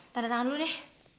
taruh tangan lu deh